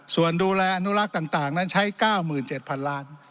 ส่วนดูแลอนุรักษ์ต่างนั้นใช้๙๗๐๐๐ล้าน